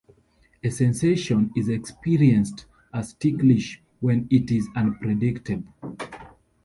A sensation is experienced as ticklish when it is unpredictable.